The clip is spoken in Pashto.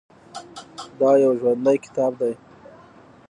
دا یو ژوندی کتاب دی.